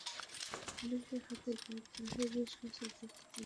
পুলিশের হাতে গ্রেপ্তার হয়ে বেশ কিছু দিন কাটান এমটি ইডেন জেলে।